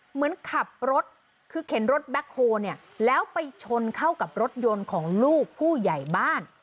เหมือนขับรถคือเข็นรถแบ็คโฮเนี่ยแล้วไปชนเข้ากับรถยนต์ของลูกผู้ใหญ่บ้าน